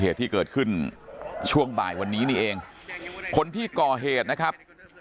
เหตุที่เกิดขึ้นช่วงบ่ายวันนี้นี่เองคนที่ก่อเหตุนะครับ